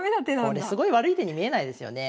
これすごい悪い手に見えないですよね。